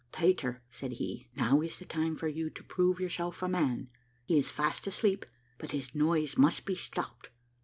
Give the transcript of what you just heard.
"Peter," said he, "now is the time for you to prove yourself a man. He is fast asleep, but his noise must be stopped.